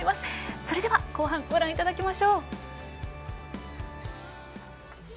それでは後半、ご覧いただきます。